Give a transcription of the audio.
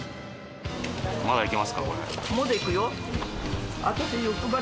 まだいけますか？